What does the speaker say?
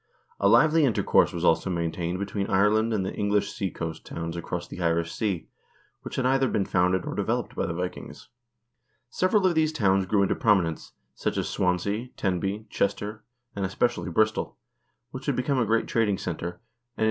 A lively intercourse was also maintained between Ireland and the English seacoast towns across the Irish Sea, which had either been founded or developed by the Vikings. Several of these towns grew into prominence, such as Swansea,3 Tenby, Chester, and especially Bristol, which had become a great trading center, and in course of 1 Cogadh Gcedhel, p.